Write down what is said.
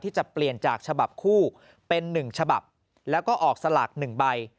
จะเปลี่ยนจากฉบับคู่เป็น๑ฉบับแล้วก็ออกสลาก๑ใบ